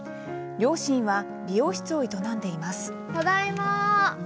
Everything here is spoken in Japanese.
両親は美容室を営んでいます。